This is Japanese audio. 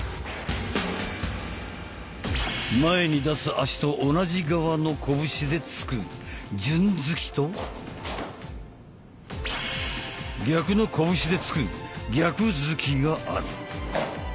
前に出す足と同じ側の拳で突く「順突き」と逆の拳で突く「逆突き」がある。